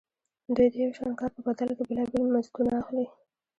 دوی د یو شان کار په بدل کې بېلابېل مزدونه اخلي